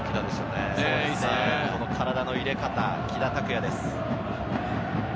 この体の入れ方、喜田拓也です。